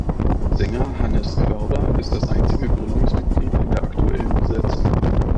Sänger Hannes Koerber ist das einzige Gründungsmitglied in der aktuellen Besetzung.